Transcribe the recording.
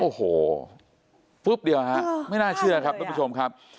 โอ้โหฟึ๊บเดียวฮะไม่น่าเชื่อครับทุกผู้ชมครับ